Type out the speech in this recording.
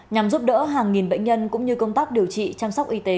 nhằm giúp đỡ hàng nghìn bệnh nhân cũng như công tác điều trị chăm sóc y tế